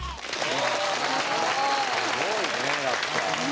すごいねえやっぱ。